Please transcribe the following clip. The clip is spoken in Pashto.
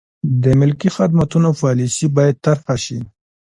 د ملکي خدمتونو پالیسي باید طرحه شي.